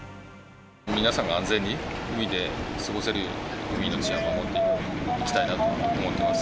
皆さんが安全に海で過ごせるように、海の治安を守っていきたいなと思ってます。